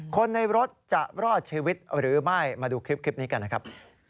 คนในรถจะรอดชีวิตหรือไม่มาดูคลิปนี้กันนะครับ